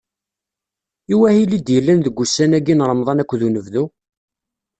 I wahil i d-yellan deg wussan-agi n Remḍan akked unebdu?